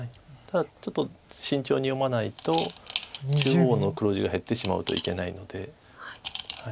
ただちょっと慎重に読まないと中央の黒地が減ってしまうといけないので。